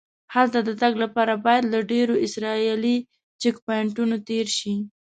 هلته د تګ لپاره باید له ډېرو اسرایلي چیک پواینټونو تېر شې.